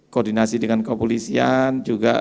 koordinasi dengan kopolisian